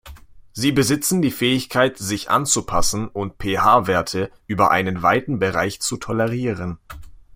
Sie besitzen die Fähigkeit, sich anzupassen und pH-Werte über einen weiten Bereich zu tolerieren.